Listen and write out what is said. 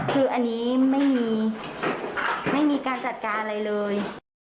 คืออันนี้ไม่มีการจัดการอะไรเลย